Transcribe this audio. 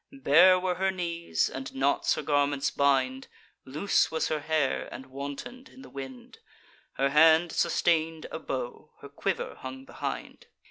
Bare were her knees, and knots her garments bind; Loose was her hair, and wanton'd in the wind; Her hand sustain'd a bow; her quiver hung behind.